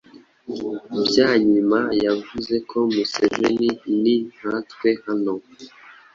Byanyima yavuze ko “Museveni ni nkatwe hano.